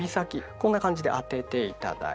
こんな感じで当てて頂いて。